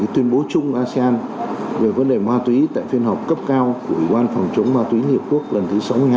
với tuyên bố chung asean về vấn đề ma túy tại phiên họp cấp cao của ủy quan phòng chống ma túy nhật quốc lần thứ sáu mươi hai